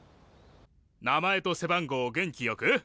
名前と背番号を元気よく！